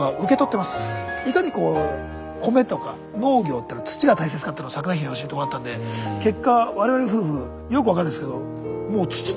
いかにこう米とか農業っていうのは土が大切かっていうのをサクナヒメに教えてもらったんで結果我々夫婦よく分かんないですけどもう土作ってます